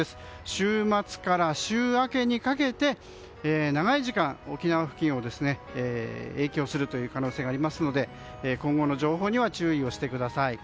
週末から週明けにかけて長い時間、沖縄付近に影響する可能性がありますので今後の情報には注意してください。